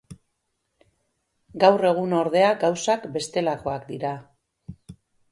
Gaur egun, ordea, gauzak bestelakoak dira.